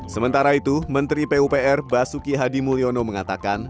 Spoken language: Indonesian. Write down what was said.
sementara itu menteri pupr basuki hadi mulyono mengatakan